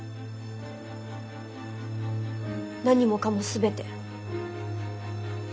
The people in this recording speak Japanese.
何もかも全て。